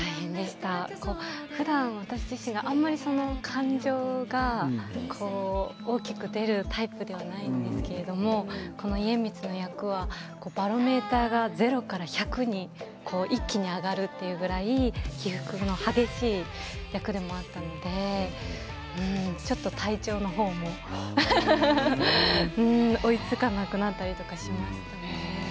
ふだん私自身が感情が大きく出るタイプではないんですけれども家光の役はバロメーターが０から１００に一気に上がるというくらい起伏の激しい役でもあったのでちょっと体調の方も追いつかなくなったりとかしましたね。